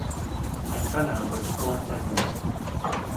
Antennae with four segments.